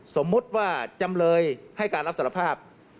สมมุติว่าจำเลยให้การรับสารภาพ